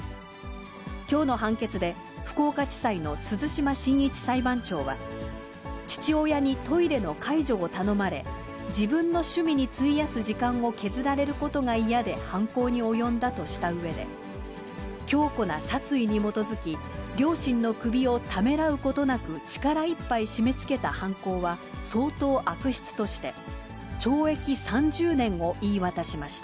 きょうの判決で、福岡地裁の鈴嶋晋一裁判長は、父親にトイレの介助を頼まれ、自分の趣味に費やす時間を削られることが嫌で犯行に及んだとしたうえで、強固な殺意に基づき両親の首をためらうことなく力いっぱい締めつけた犯行は、相当悪質として、懲役３０年を言い渡しました。